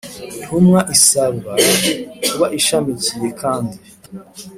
Ntumwa isabwa kuba ishamikiye kandi